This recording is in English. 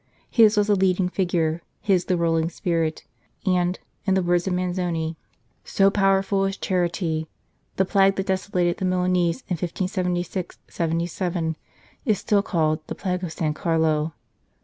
His was the leading figure, his the ruling spirit, and, in the words of Manzoni :" So powerful is Charity ! The plague that desolated the Milanese in 1576 77 is still called The Plague of San Carlo.